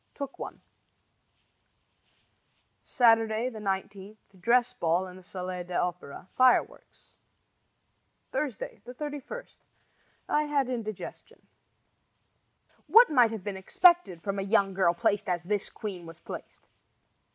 Took one. Saturday, 19 Dress ball in the Salle d'Opera. Fireworks. Thursday, 31 I had an indigestion. What might have been expected from a young girl placed as this queen was placed?